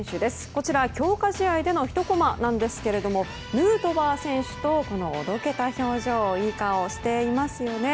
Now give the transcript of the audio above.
こちら、強化試合でのひとコマなんですがヌートバー選手とおどけた表情いい顔をしていますよね。